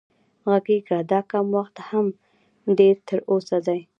غږېږه دا کم وخت هم ډېر تر اوسه دی